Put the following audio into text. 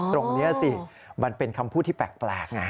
ตรงนี้สิมันเป็นคำพูดที่แปลกไง